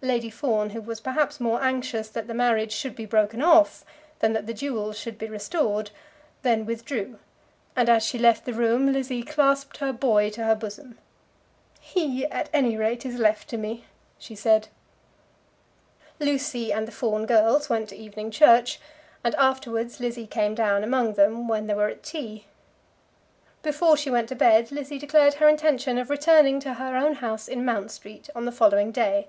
Lady Fawn, who was perhaps more anxious that the marriage should be broken off than that the jewels should be restored, then withdrew; and as she left the room Lizzie clasped her boy to her bosom. "He, at any rate, is left to me," she said. Lucy and the Fawn girls went to evening church, and afterwards Lizzie came down among them when they were at tea. Before she went to bed Lizzie declared her intention of returning to her own house in Mount Street on the following day.